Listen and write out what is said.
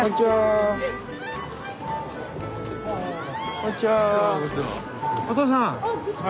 こんにちは。